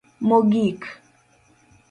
mogik